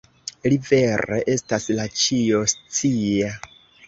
Li vere estas la Ĉio-Scia.